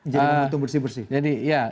jadi momentum bersih bersih